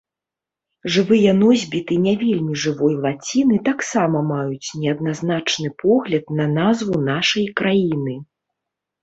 Жывыя носьбіты не вельмі жывой лаціны таксама маюць неадназначны погляд на назву нашай краіны.